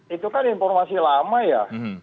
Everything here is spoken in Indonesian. itu kan informasi lama ya